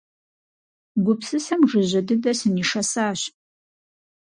Гупсысэм жыжьэ дыдэ сынишэсащ.